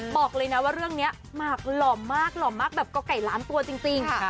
บอกเลยนะว่าเรื่องนี้หมากหล่อมากหล่อมากแบบก่อไก่ล้านตัวจริง